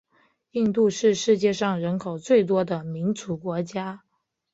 印度是世界上人口最多的民主国家。